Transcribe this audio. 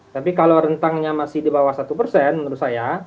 tapi kalau rentangnya masih di bawah satu persen menurut saya